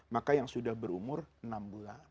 maka yang sudah berumur enam bulan